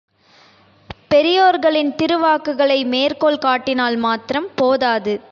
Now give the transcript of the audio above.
பெரியோர்களின் திருவாக்குகளை மேற்கோள் காட்டினால் மாத்திரம் போதாது.